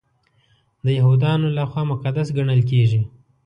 د یهودانو لخوا مقدس ګڼل کیږي.